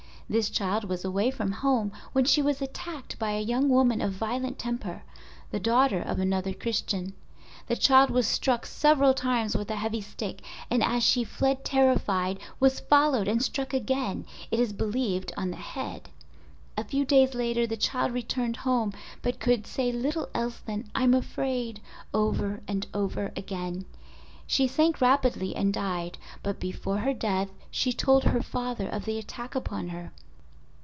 This child was away from home when she was attacked by a young woman of violent temper, the daughter of another Christian. The child was struck several times with a heavy stick, and as she fled terrified was followed and struck again, it is believed, on the head, a few days later the child returned home, but could say little else than, "I'm afraid" over and over again. She sank rapidly and died; but before her death she told her father of the attack upon her.